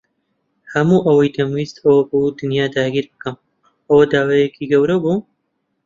هەموو ئەوەی دەمویست ئەوە بوو دنیا داگیر بکەم. ئەوە داوایەکی گەورە بوو؟